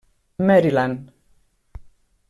Maryland.